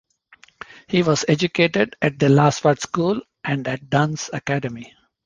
He was educated at the Lasswade School and at Duns Academy.